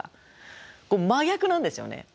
真逆なんですよね。